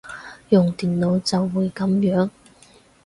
用電腦就會噉樣